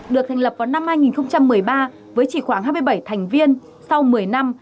được thành lập vào năm hai nghìn một mươi ba với chỉ khoảng hai mươi bảy thành viên sau một mươi năm